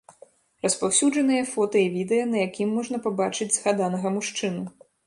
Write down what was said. Распаўсюджанае фота і відэа, на якім можна пабачыць згаданага мужчыну.